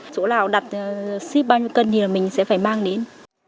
chỗ nào đặt ship bao nhiêu cân thì mình sẽ phải mang đến